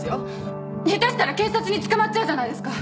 下手したら警察に捕まっちゃうじゃないですか！